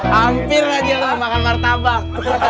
hampir lah dia akan makan martabak